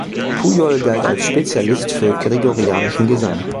Pujol galt als Spezialist für Gregorianischen Gesang.